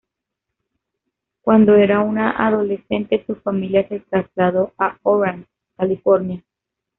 Cuando era una adolescente, su familia se trasladó a Orange, California.